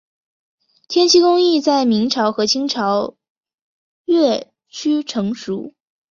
填漆工艺在明朝和清朝越趋成熟。